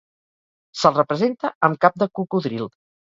Se'l representa amb cap de cocodril.